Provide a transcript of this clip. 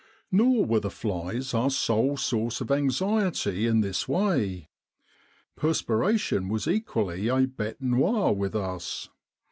Nor were the flies our sole source of anxiety in this way. Perspiration was equally a bete noire with us.